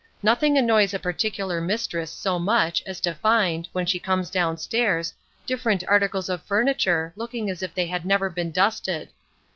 Nothing annoys a particular mistress so much as to find, when she comes down stairs, different articles of furniture looking as if they had never been dusted.